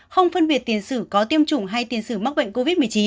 không phân biệt tiến sử có tiêm chủng hay tiến sử mắc bệnh covid một mươi chín